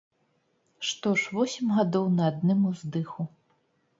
Што ж, восем гадоў на адным уздыху!